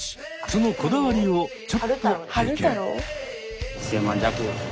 そのこだわりをちょっと拝見。